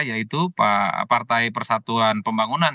yaitu partai persatuan pembangunan